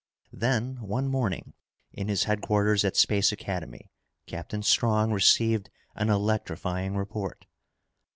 Then, one morning, in his headquarters at Space Academy, Captain Strong received an electrifying report.